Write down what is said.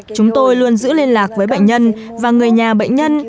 chúng tôi luôn giữ liên lạc với bệnh nhân và người nhà bệnh nhân